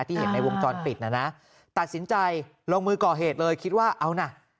ที่เห็นในวงจรปิดนะนะตัดสินใจลงมือก่อเหตุเลยคิดว่าเอานะ